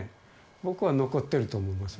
僕は残ってると思いますよ